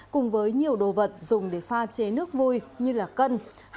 cùng với nhiều đồ vật dùng để pha chế nước vui như cân